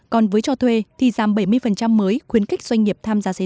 còn với cho thuê thì giảm bảy mươi mới khuyến khích doanh nghiệp